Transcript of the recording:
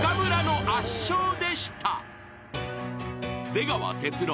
［出川哲朗